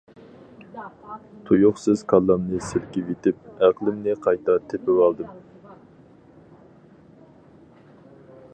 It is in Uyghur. تۇيۇقسىز كاللامنى سىلكىۋېتىپ، ئەقلىمنى قايتا تېپىۋالدىم.